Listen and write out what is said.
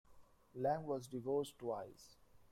Lang was divorced twice.